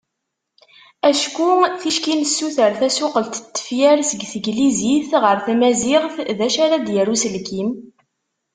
Acku ticki nessuter tasuqlit n tefyar seg teglizit ɣer tmaziɣt, d acu ara d-yerr uselkim?